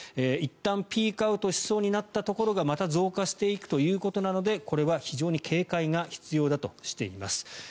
いったんピークアウトしたところがまた増加していくということなのでこれは非常に警戒が必要だとしています。